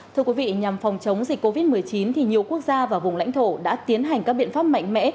thưa quý vị nhằm phòng chống dịch covid một mươi chín thì nhiều quốc gia và vùng lãnh thổ đã tiến hành các biện pháp mạnh mẽ